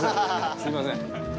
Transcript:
すみません。